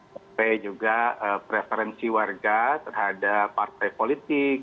sampai juga preferensi warga terhadap partai politik